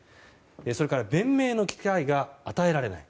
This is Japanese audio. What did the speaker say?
それから弁明の機会が与えられない。